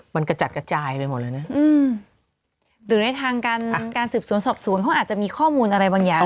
มันกระจัดกระจายไปหมดเลยนะหรือในทางการการสืบสวนสอบสวนเขาอาจจะมีข้อมูลอะไรบางอย่าง